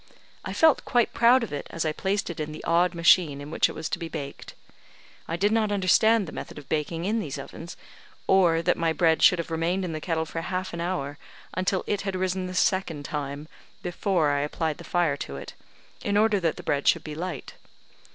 I felt quite proud of it, as I placed it in the odd machine in which it was to be baked. I did not understand the method of baking in these ovens; or that my bread should have remained in the kettle for half an hour, until it had risen the second time, before I applied the fire to it, in order that the bread should be light.